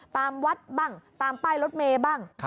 ตามวัดบ้างตามป้ายรถเมย์บ้าง